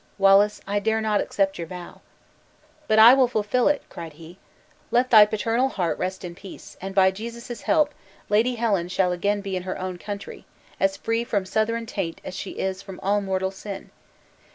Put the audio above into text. Wallace, I dare not accept your vow." "But I will fulfill it," cried he. "Let thy paternal heart rest in peace; and by Jesus' help, Lady Helen shall again be in her own country, as free from Southron taint as she is from all mortal sin!